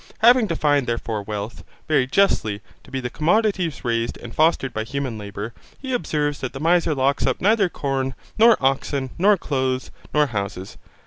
Having defined therefore wealth, very justly, to be the commodities raised and fostered by human labour, he observes that the miser locks up neither corn, nor oxen, nor clothes, nor houses.